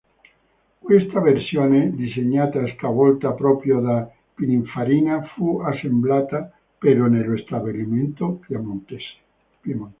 Questa versione, disegnata stavolta proprio da Pininfarina, fu assemblata però nello stabilimento piemontese.